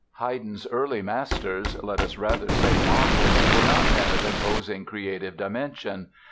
Haydn's early masters (let us rather say "models") were not men of imposing creative dimension.